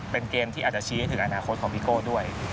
เป็นเกมที่อาจจะชี้ให้ถึงอนาคตของพี่โก้ด้วย